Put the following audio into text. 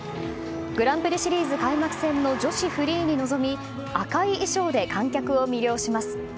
グランプリシリーズ開幕戦の女子フリーに臨み赤い衣装で観客を魅了します。